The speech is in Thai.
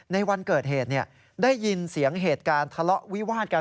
ในวันเกิดเหตุได้ยินเสียงเหตุการณ์ทะเลาะวิวาดกัน